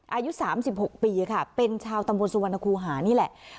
อายุสามสิบหกปีค่ะเป็นชาวตำวนสุวรรณคูหานี่แหละ